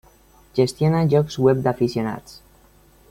Gestiona llocs web d'aficionats.